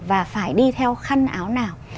và phải đi theo khăn áo nào